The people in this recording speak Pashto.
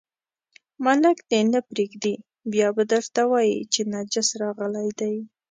ملک دې نه پرېږدي، بیا به درته وایي چې نجس راغلی دی.